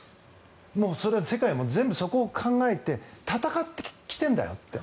もうそれは世界全体そこを考えて戦ってきてるんだよって。